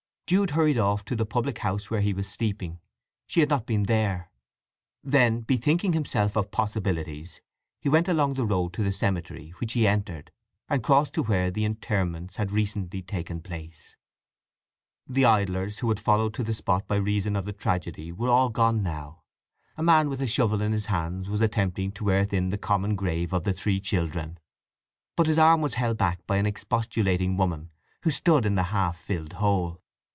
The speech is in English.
Jude hurried off to the public house where he was sleeping. She had not been there. Then bethinking himself of possibilities he went along the road to the cemetery, which he entered, and crossed to where the interments had recently taken place. The idlers who had followed to the spot by reason of the tragedy were all gone now. A man with a shovel in his hands was attempting to earth in the common grave of the three children, but his arm was held back by an expostulating woman who stood in the half filled hole.